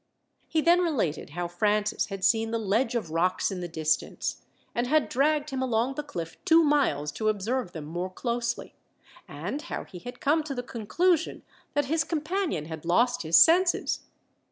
He then related how Francis had seen the ledge of rocks in the distance, and had dragged him along the cliff two miles to observe them more closely; and how he had come to the conclusion that his companion had lost his senses.